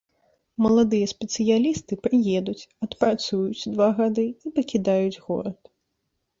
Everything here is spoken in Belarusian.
Маладыя спецыялісты прыедуць, адпрацуюць два гады і пакідаюць горад.